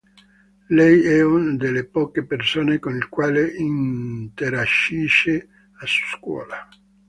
Lei è una delle poche persone con il quale interagisce a scuola